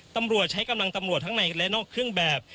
ตำรวจใช้กำลังตำรวจทั้งในและนอกเครื่องแบบ